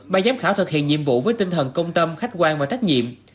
ba giám khảo thực hiện nhiệm vụ với tinh thần công tâm khách quan và trách nhiệm